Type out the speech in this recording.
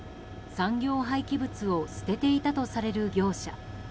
産業廃棄物を捨てていたとされる業者。